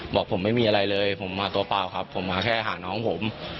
บอกผมไม่มีอะไรเลยผมมาตัวเปล่าครับผมมาแค่หาน้องผม